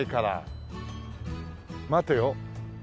待てよ。